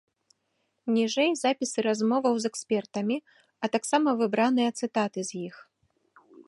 Ніжэй запісы размоваў з экспертамі, а таксама выбраныя цытаты з іх.